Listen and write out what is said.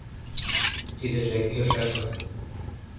Тидыже йӧршашлык.